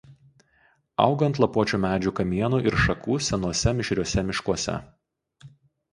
Auga ant lapuočių medžių kamienų ir šakų senuose mišriuose miškuose.